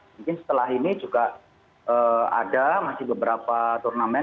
mungkin setelah ini juga ada masih beberapa turnamen